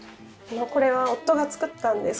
これは夫が作ったんです。